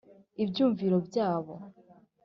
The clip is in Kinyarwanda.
ibyumviro byabo